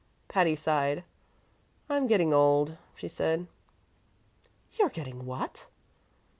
Patty sighed. "I'm getting old," she said. "You're getting what?"